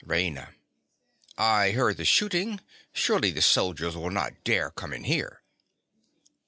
RAINA. I heard the shooting. Surely the soldiers will not dare come in here?